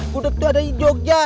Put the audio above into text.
budeg tuh ada di jogja